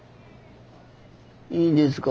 いいんですか？